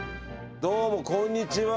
どうもこんにちは。